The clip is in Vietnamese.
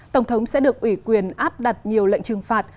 tổng thống sẽ được ủy quyền áp đặt nhiều lệnh trừng phạt